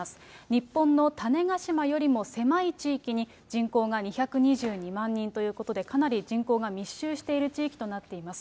日本の種子島よりも狭い地域に人口が２２２万人ということで、かなり人口が密集している地域となっています。